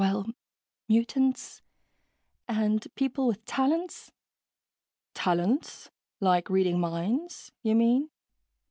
well, mutants, and people with talents...." "Talents? Like reading minds, you mean?"